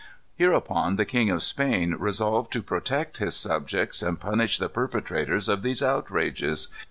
"Hereupon the King of Spain resolved to protect his subjects and punish the perpetrators of these outrages.